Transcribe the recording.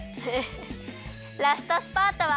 ラストスパートは。